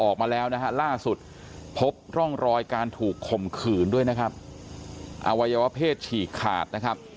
การถูกข่มขืนด้วยนะครับอวัยวะเพศฉีกขาดนะครับ